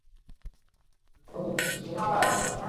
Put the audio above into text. আমি তোমার এবং স্ত্রীর এত চমৎকার আদর-আপ্পায়ন কখনো ভুলবনা।